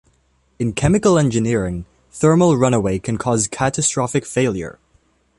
In chemical engineering, thermal runaway can cause catastrophic failure.